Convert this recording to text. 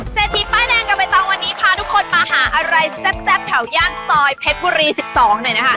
เศรษฐีป้ายแดงกับใบตองวันนี้พาทุกคนมาหาอะไรแซ่บแถวย่านซอยเพชรบุรี๑๒หน่อยนะคะ